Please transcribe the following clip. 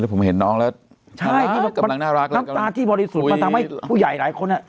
แล้วผมเห็นน้องแล้วน้ำตาที่บริสุทธิ์มันทำให้ผู้ใหญ่หลายคน